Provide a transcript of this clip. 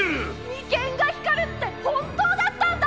眉間が光るって本当だったんだ！